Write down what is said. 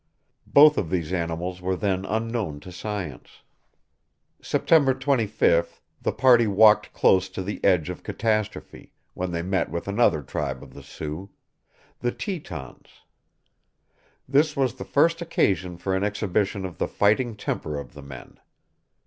Both of these animals were then unknown to science. September 25th the party walked close to the edge of catastrophe, when they met with another tribe of the Sioux, the Tetons. This was the first occasion for an exhibition of the fighting temper of the men.